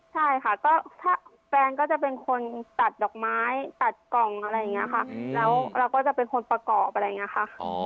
ใช่ค่ะก็ถ้าแฟนก็จะเป็นคนตัดดอกไม้ตัดกล่องอะไรอย่างนี้ค่ะแล้วเราก็จะเป็นคนประกอบอะไรอย่างนี้ค่ะ